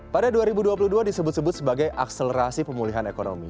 pada dua ribu dua puluh dua disebut sebut sebagai akselerasi pemulihan ekonomi